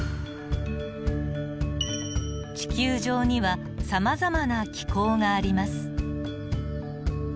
地球上にはさまざまな気候があります。